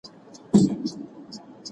هغه وويل چي خواړه ورکول مهم دي؟